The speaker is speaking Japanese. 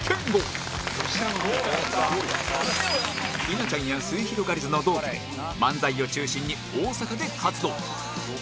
稲ちゃんやすゑひろがりずの同期で漫才を中心に大阪で活動